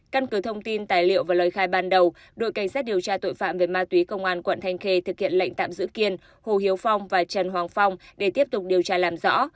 căn cứ thông tin tài liệu và lời khai ban đầu đội cảnh sát điều tra tội phạm về ma túy công an quận thanh khê thực hiện lệnh tạm giữ kiên hồ hiếu phong và trần hoàng phong để tiếp tục điều tra làm rõ